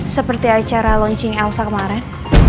seperti acara launching elsa kemarin